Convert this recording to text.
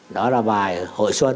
đó là bài hội xuân